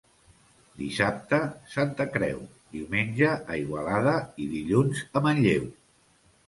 Dissabte, Santa Creu; diumenge, a Igualada i dilluns a Manlleu.